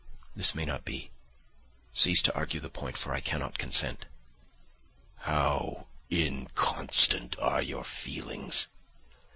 This may not be; cease to argue the point, for I cannot consent." "How inconstant are your feelings!